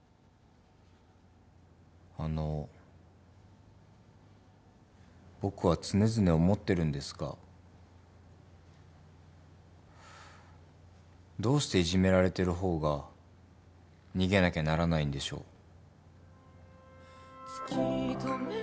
あの僕は常々思ってるんですがどうしていじめられてる方が逃げなきゃならないんでしょう。